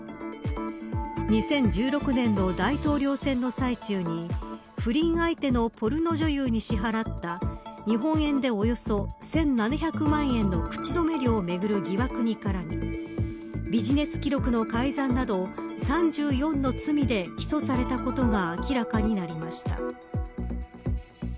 ２０１６年の大統領選の最中に不倫相手のポルノ女優に支払った日本円でおよそ１７００万円の口止め料をめぐる疑惑に絡みビジネス記録の改ざんなど３４の罪で起訴されたことが明らかになりました。